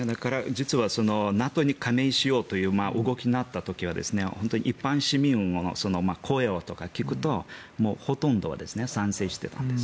実はＮＡＴＯに加盟しようという動きになった時は一般市民の声を聞くとほとんどは賛成していたんです。